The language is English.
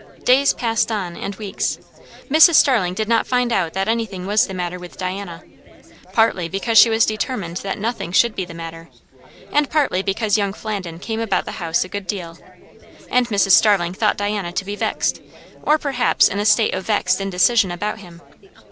Days passed on, and weeks. Mrs. Starling did not find out that anything was the matter with Diana; partly because she was determined that nothing should be the matter; and partly because young Flandin came about the house a good deal, and Mrs. Starling thought Diana to be vexed, or perhaps in a state of vexed indecision about him.